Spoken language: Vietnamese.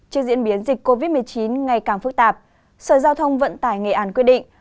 trước diễn biến dịch covid một mươi chín ngày càng phức tạp sở giao thông vận tải nghệ an quyết định